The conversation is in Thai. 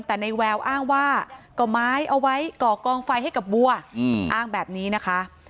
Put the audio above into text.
แต่ในแววอ้างว่าก่อไม้เอาไว้ก่อกองไฟให้กับวัวอ้างแบบนี้นะคะ